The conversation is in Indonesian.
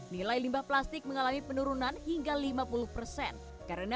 nilai limbah plastik mengalami penurunan hingga lima puluh persen